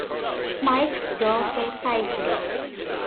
Mike's jaw fell slightly.